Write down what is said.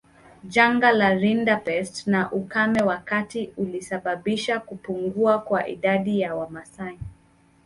Janga la rinderpest na ukame wakati ulisababisha kupungua kwa idadi ya Wamasai